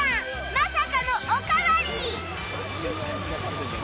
まさかのおかわり！